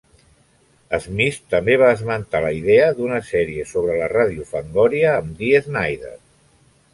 Smith també va esmentar la idea d'una sèrie sobre la ràdio Fangoria amb Dee Snider.